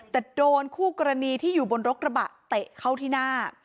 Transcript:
แต่โดนคู่กรณีที่อยู่บนรถกระบะเตะเข้าที่หน้า